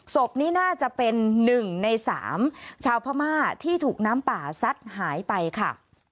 ศพนี้น่าจะเป็น๑ใน๓ชาวพม่าที่ถูกน้ำป่าซัดหายไปค่ะ